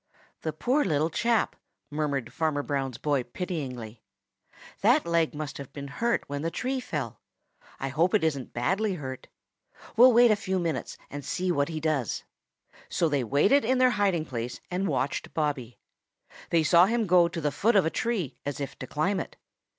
"The poor little chap," murmured Farmer Brown's boy pityingly. "That leg must have been hurt when the tree fell. I hope it isn't badly hurt. We'll wait a few minutes and see what he does." So they waited in their hiding place and watched Bobby. They saw him go to the foot of a tree as if to climb it.